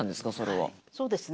はいそうですね。